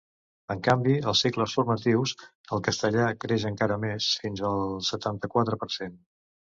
En canvi, als cicles formatius, el castellà creix encara més, fins al setanta-quatre per cent.